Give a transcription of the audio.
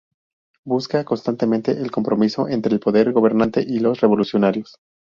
Busca constantemente el compromiso entre el poder gobernante y los revolucionarios.